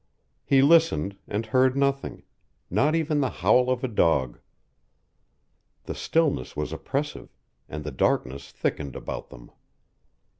He listened, and heard nothing, not even the howl of a dog. The stillness was oppressive, and the darkness thickened about them.